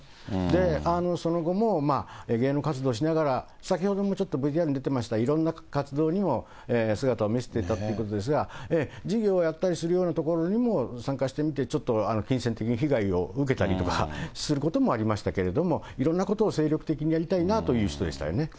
で、その後も、芸能活動しながら、先ほどもちょっとＶＴＲに出てました、いろんな活動にも姿を見せていたということですが、事業をやったりするようなところにも参加してみて、ちょっと金銭的に被害を受けたりとかすることもありましたけれども、いろんなことを精力的にやりたいなという人でしたよね。